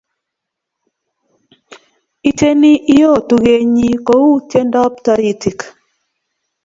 Itieni iyoo, tugenyi kou tiendop toritik